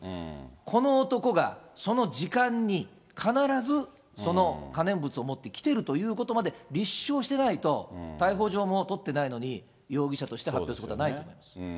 この男がその時間に、必ずその可燃物を持って来てるということまで立証してないと、逮捕状も取ってないのに、容疑者として発表することはないと思います。